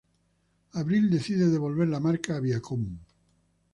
Abril decide devolver la marca a Viacom.